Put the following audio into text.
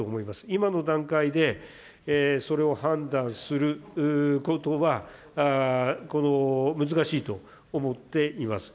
今の段階でそれを判断することは、この難しいと思っています。